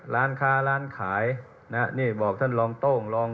ร้านค้าร้านขายนะนี่บอกท่านลองโต้งลอง